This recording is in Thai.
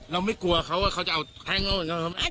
เราไม่กลัวเขาว่าเขาจะเอาแท้งเอาอย่างนั้นครับ